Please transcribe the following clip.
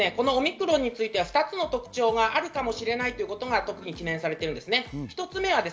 特にオミクロンについては２つの特徴があるかもしれないということが懸念されています。